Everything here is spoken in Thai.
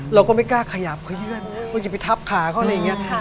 เราก็ไม่กล้าขยับขยื่นเราจะไปทับขาเขาอะไรอย่างนี้